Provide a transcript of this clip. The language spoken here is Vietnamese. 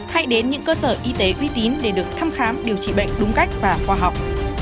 hãy đến những cơ sở y tế uy tín để được thăm khám điều trị bệnh đúng cách và khoa học